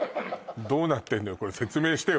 どうなってんのよ説明してよ